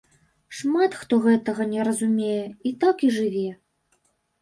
Шмат хто гэтага не разумее, і так і жыве.